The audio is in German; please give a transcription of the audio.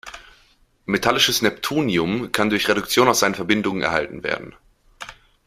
Metallisches Neptunium kann durch Reduktion aus seinen Verbindungen erhalten werden.